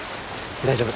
大丈夫。